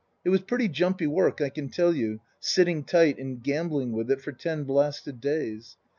It was pretty jumpy work, I can tell you, sitting tight and gambling with it for ten blasted days.